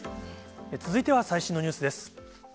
続いては最新のニュースです。